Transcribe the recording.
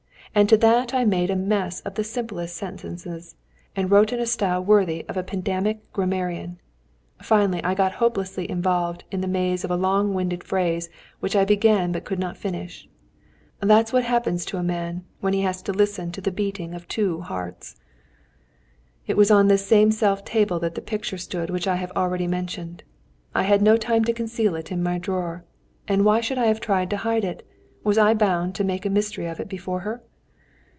Add to that that I made a mess of the simplest sentences, and wrote in a style worthy of a pedantic grammarian. Finally I got hopelessly involved in the maze of a long winded phrase which I began but could not finish. That's what happens to a man when he has to listen to the beating of two hearts! It was on this self same table that the picture stood which I have already mentioned. I had no time to conceal it in my drawer. And why should I have tried to hide it? Was I bound to make a mystery of it before her?